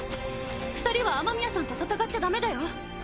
二人は雨宮さんと戦っちゃダメだよ！